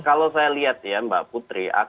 kalau saya lihat ya mbak putri